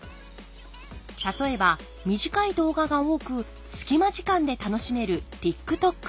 例えば短い動画が多く隙間時間で楽しめるＴｉｋＴｏｋ。